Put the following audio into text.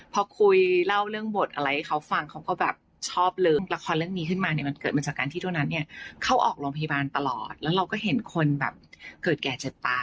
พอคุยเล่าเรื่องบทอะไรให้เขาฟังเขาก็แบบชอบเลิกละครเรื่องนี้ขึ้นมาเนี่ยมันเกิดมาจากการที่เท่านั้นเนี่ยเขาออกโรงพยาบาลตลอดแล้วเราก็เห็นคนแบบเกิดแก่เจ็บตาย